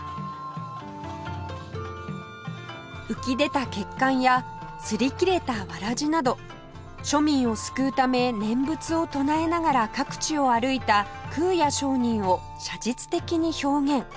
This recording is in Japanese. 浮き出た血管や擦り切れたわらじなど庶民を救うため念仏を唱えながら各地を歩いた空也上人を写実的に表現